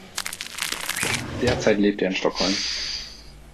Derzeit lebt er in Stockholm.